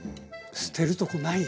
捨てるとこない。